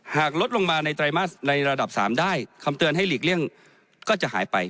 หากลดลงมาในไตรมาสในระดับ๓ได้คำเตือนให้หลีกเลี่ยงก็จะหายไป